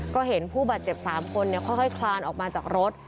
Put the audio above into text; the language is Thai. ก็เห็นผู้บาดเจ็บ๓คนค่อยคลานออกมาจากรถ